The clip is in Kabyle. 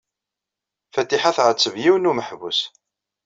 Fatiḥa tɛetteb yiwen n umeḥbus.